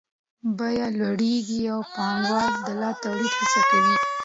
بیې لوړېږي او پانګوال د لا تولید هڅه کوي